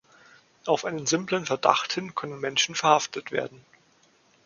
Auf einen simplen Verdacht hin können Menschen verhaftet werden.